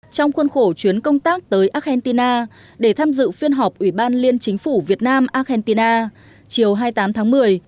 trong khuôn khổ chuyến công tác tới argentina để tham dự phiên họp ủy ban liên chính phủ việt nam argentina chiều hai mươi tám tháng một mươi